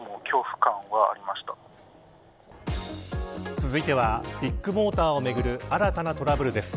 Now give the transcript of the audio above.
続いてはビッグモーターをめぐる新たなトラブルです。